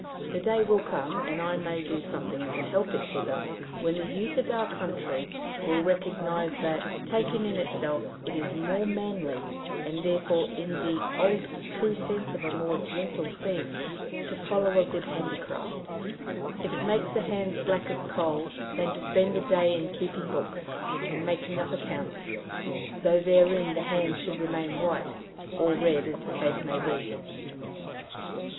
The day will come, and may I do something to help it hither, when the youth of our country will recognize that, taken in itself, it is a more manly, and therefore in the old true sense a more gentle thing, to follow a good handicraft, if it make the hands black as a coal, than to spend the day in keeping books, and making up accounts, though therein the hands should remain white or red, as the case may be.